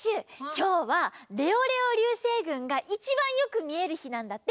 きょうはレオレオりゅうせいぐんがいちばんよくみえるひなんだって。